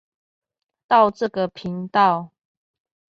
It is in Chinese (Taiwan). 到這個頻道